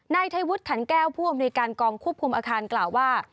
นายไทยวุฒิขันแก้วผู้อำนวยการกองควบคุมอาคารกล่าวว่า